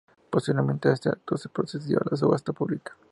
Posteriormente a este acto se procedió a la subasta pública.